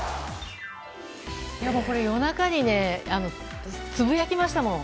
夜中につぶやきましたもん。